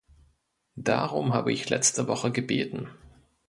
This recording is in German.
Darum habe ich letzte Woche gebeten.